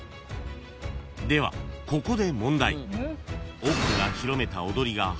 ［ではここで問題］